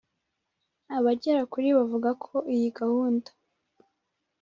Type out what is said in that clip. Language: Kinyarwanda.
Abagera kuri bavuga ko iyi gahunda